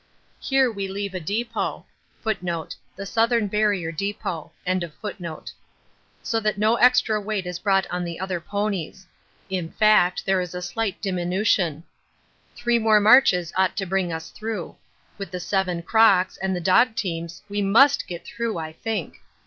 Here we leave a depôt so that no extra weight is brought on the other ponies; in fact there is a slight diminution. Three more marches ought to bring us through. With the seven crocks and the dog teams we must get through I think.